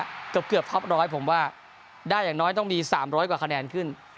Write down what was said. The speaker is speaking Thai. เกือบท็อปร้อยผมว่าได้อย่างน้อยต้องมี๓๐๐กว่าคะแนนขึ้น